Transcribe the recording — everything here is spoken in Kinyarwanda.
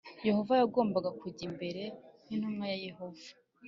Yohana yagombaga kujya mbere nk’intumwa ya Yehova